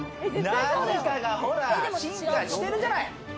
何かがほら、進化してるじゃない。